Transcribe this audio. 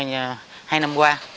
trong hai năm qua